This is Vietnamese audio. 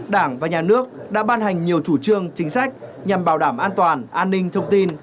đảng và nhà nước đã ban hành nhiều chủ trương chính sách nhằm bảo đảm an toàn an ninh thông tin